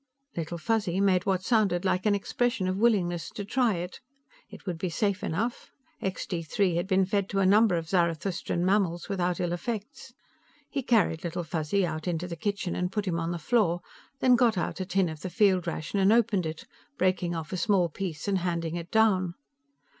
Little Fuzzy made what sounded like an expression of willingness to try it. It would be safe enough; Extee Three had been fed to a number of Zarathustran mammals without ill effects. He carried Little Fuzzy out into the kitchen and put him on the floor, then got out a tin of the field ration and opened it, breaking off a small piece and handing it down.